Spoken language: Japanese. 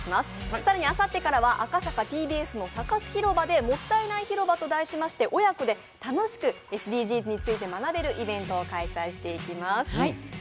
更にあさってからは赤坂・ＴＢＳのサカス広場で「もったいない広場」と題しまして親子で楽しくＳＤＧｓについて学べるイベントを開催していきます。